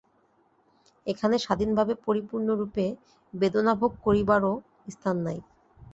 এখানে স্বাধীনভাবে পরিপূর্ণরূপে বেদনাভোগ করিবারও স্থান নাই।